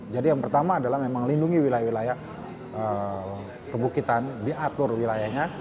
jadi yang pertama adalah memang lindungi wilayah wilayah kebukitan diatur wilayahnya